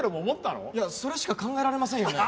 いやそれしか考えられませんよね。